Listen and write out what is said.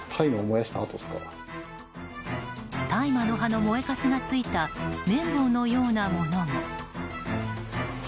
大麻の葉の燃えカスがついた綿棒のようなものも。